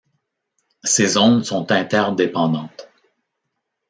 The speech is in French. Ces zones sont interdépendantes.